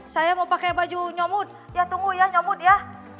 saya mau pakai baju nyomut ya tunggu ya nyomut ya